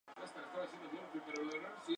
Fue esposa del actor y productor Raúl Astor.